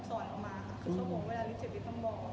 จริงเพราะพี่เขารู้